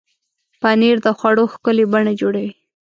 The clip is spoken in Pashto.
پنېر د خوړو ښکلې بڼه جوړوي.